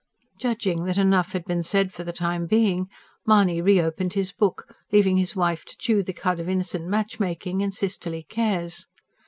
Judging that enough had been said for the time being, Mahony re opened his book, leaving his wife to chew the cud of innocent matchmaking and sisterly cares.